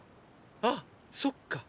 あそっか。